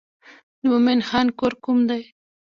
د مومن خان کور کوم دی.